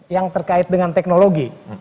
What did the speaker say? yang terkait dengan teknologi